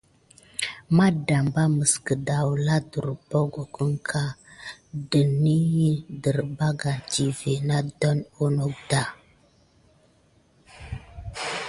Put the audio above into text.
Matdamba məs kədawla abbockəka ɗənəhi dədarbane tivé nawtoŋ ananda.